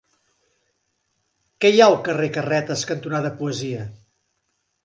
Què hi ha al carrer Carretes cantonada Poesia?